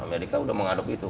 amerika udah mengadop itu